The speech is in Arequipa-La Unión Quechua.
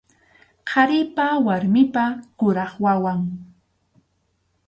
Qharipa warmipa kuraq wawan.